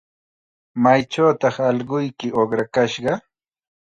¿Maychawtaq allquyki uqrakashqa?